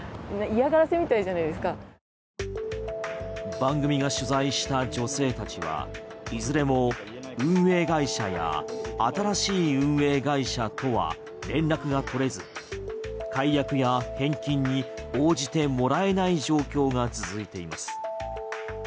番組が取材した女性たちはいずれも運営会社や新しい運営会社とは連絡が取れず、解約や返金に応じてもらえない状況が続いています。